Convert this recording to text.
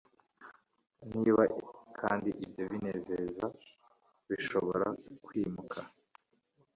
niba kandi ibyo binezeza bishobora kwimuka